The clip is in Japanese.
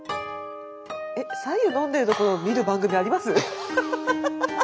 えっさ湯飲んでるところを見る番組あります？